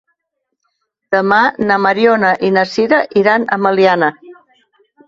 Demà na Mariona i na Sira iran a Meliana.